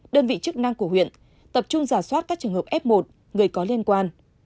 đơn vị chức năng của huyện tập trung giả soát các trường hợp f một người có liên quan